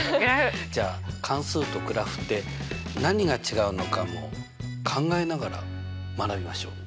じゃあ関数とグラフって何が違うのかも考えながら学びましょう。